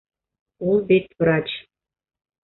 Ул бит врач.